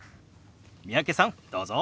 三宅さんどうぞ！